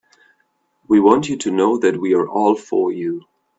We want you to know that we're all for you.